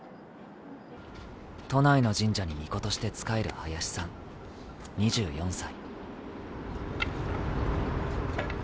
都内の神社に巫女として仕える林さん２４歳。